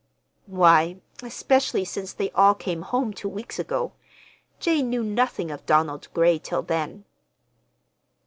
"Why, especially since they all came home two weeks ago. Jane knew nothing of Donald Gray till then."